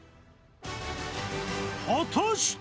果たして？